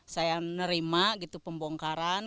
saya nerima gitu pembongkaran